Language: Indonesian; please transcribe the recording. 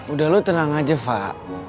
udah lo tenang aja pak